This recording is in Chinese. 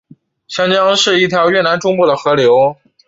香江是一条越南中部的河流。